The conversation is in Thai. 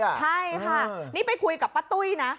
ใช่ค่ะนี่ไปคุยกับป้าตุ้ยนะ